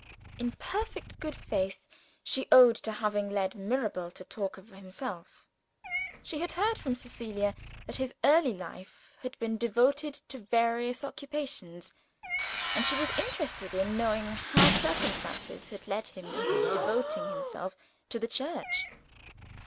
In perfect good faith she owned to having led Mirabel to talk of himself. She had heard from Cecilia that his early life had been devoted to various occupations, and she was interested in knowing how circumstances had led him into devoting himself to the Church.